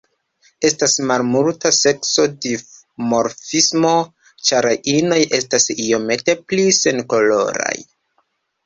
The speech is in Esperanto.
Estas malmulta seksa dimorfismo, ĉar inoj estas iomete pli senkoloraj.